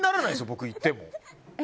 僕は行っても。